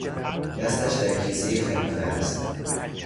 دستش در کیسهٔ خلیفه است.